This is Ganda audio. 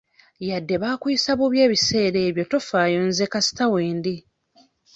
Yadde baakuyisa bubi ebiseera ebyo tofaayo nze kasita wendi.